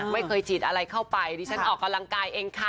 ไม่เคยฉีดอะไรเข้าไปดิฉันออกกำลังกายเองค่ะ